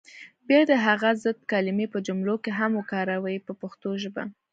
بیا دې هغه ضد کلمې په جملو کې هم وکاروي په پښتو ژبه.